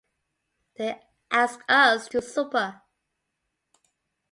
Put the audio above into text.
They asked us to supper.